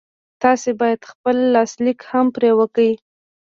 تاسې بايد خپل لاسليک هم پرې وکړئ.